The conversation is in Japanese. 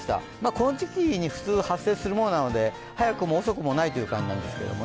この時期に普通、発生するものなので、早くも遅くもないという感じなんですけれども。